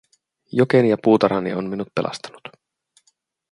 Jokeni ja puutarhani on minut pelastanut.